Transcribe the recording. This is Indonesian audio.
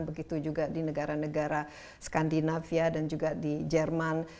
begitu juga di negara negara skandinavia dan juga di jerman